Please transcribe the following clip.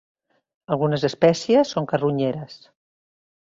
Algunes espècies són carronyeres.